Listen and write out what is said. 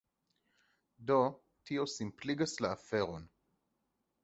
Do tio simpligas la aferon.